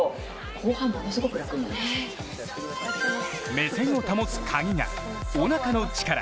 目線を保つカギがおなかの力。